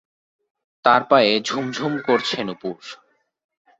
তার পায়ে ঝুমঝুম করছে নূপুর।